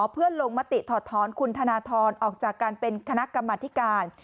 เพื่อลงมติถอดท้อนคุณธนทรออกจากการเป็นคณะกรรมธิการ